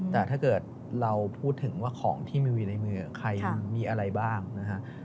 แต่ถ้าเกิดเราพูดถึงว่าของที่มีอยู่ในมือใครมีอะไรบ้างนะฮะ